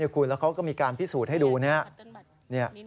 คุณแล้วเขาก็มีการพิสูจน์ให้ดูเนี่ย